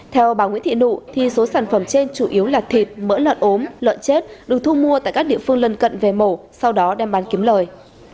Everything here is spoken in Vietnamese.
theo bà nguyễn thị nụ thì số sản phẩm trên chủ yếu là thịt mỡ lợn ốm lợn chết được thu mua tại các địa phương lân cận về mổ sau đó đem bán kiếm lời